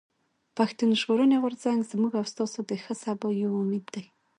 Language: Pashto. پښتون ژغورني غورځنګ زموږ او ستاسو د ښه سبا يو امېد دی.